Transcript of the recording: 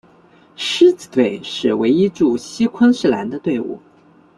狮子队是唯一驻锡昆士兰的队伍。